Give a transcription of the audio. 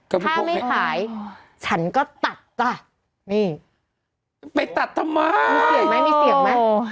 ถ้าไม่ขายฉันก็ตัดจ้ะนี่ไปตัดทำไมมีเสียงไหมมีเสียงไหม